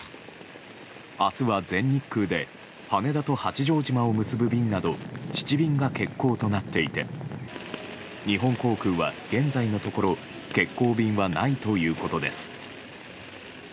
明日は、全日空で羽田と八丈島を結ぶ便など７便が欠航となっていて日本航空は現在のところ欠航便はないということです。